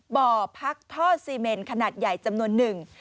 บ่อพักท่อซีเมนขนาดใหญ่จำนวนหนึ่ง